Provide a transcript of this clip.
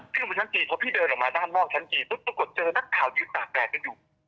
ขึ้นไปชั้นจีนพอพี่เดินออกมาด้านนอกชั้นจีนปุ๊บปรากฏเจอนักข่าวยืนตากแดดกันอยู่